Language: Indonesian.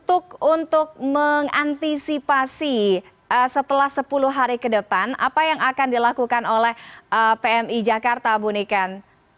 untuk mengantisipasi setelah sepuluh hari ke depan apa yang akan dilakukan oleh pmi jakarta bu niken